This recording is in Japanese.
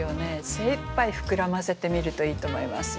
精いっぱい膨らませてみるといいと思いますよ。